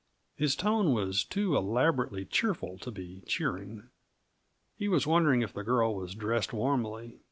His tone was too elaborately cheerful to be very cheering. He was wondering if the girl was dressed warmly.